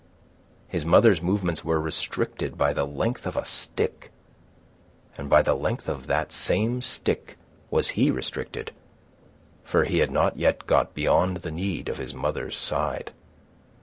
His mother's movements were restricted to the length of a stick, and by the length of that same stick was he restricted, for he had not yet got beyond the need of his mother's side.